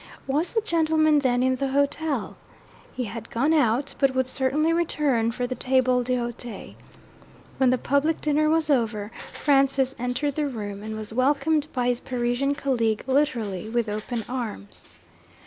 Was the gentleman then in the hotel? He had gone out, but would certainly return for the table d'hote. When the public dinner was over, Francis entered the room, and was welcomed by his Parisian colleague, literally, with open arms.